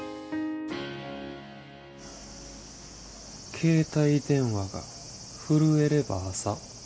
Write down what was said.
「携帯電話が震えれば朝」。